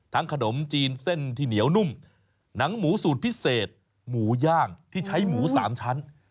ขนมจีนเส้นที่เหนียวนุ่มหนังหมูสูตรพิเศษหมูย่างที่ใช้หมู๓ชั้น